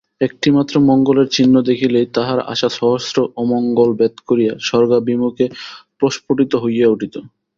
একটিমাত্র মঙ্গলের চিহ্ন দেখিলেই তাঁহার আশা সহস্র অমঙ্গল ভেদ করিয়া স্বর্গাভিমুখে প্রস্ফুটিত হইয়া উঠিত।